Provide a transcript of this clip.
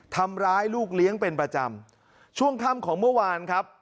ทำร้ายลูกเลี้ยงเป็นประจำช่วงค่ำของเมื่อวานครับ